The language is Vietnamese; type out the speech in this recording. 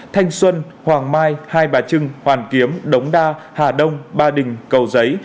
thanh xuân hoàng mai hai bà trưng hoàn kiếm đống đa hà đông ba đình cầu giấy